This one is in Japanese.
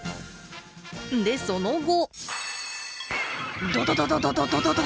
でその後。